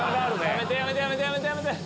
やめてやめてやめてやめて。